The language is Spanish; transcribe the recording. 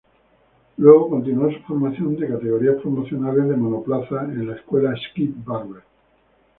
Luego continuó su formación en categorías promocionales de monoplazas en la escuela Skip Barber.